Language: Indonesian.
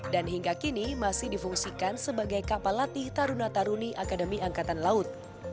dan hingga kini masih difungsikan sebagai kapal latih taruna taruni akademi angkatan laut